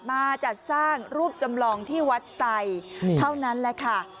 มาจัดสร้างรูปจำลองที่วัดไซเท่านั้นแหละค่ะ